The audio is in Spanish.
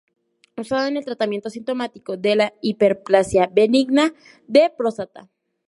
Usado en el tratamiento sintomático de la Hiperplasia benigna de próstata.